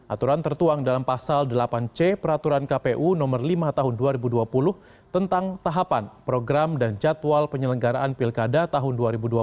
aturan tertuang dalam pasal delapan c peraturan kpu nomor lima tahun dua ribu dua puluh tentang tahapan program dan jadwal penyelenggaraan pilkada tahun dua ribu dua puluh